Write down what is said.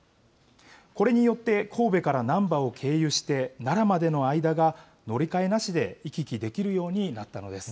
これによって、神戸から難波を経由して、奈良までの間が乗り換えなしで行き来できるようになったのです。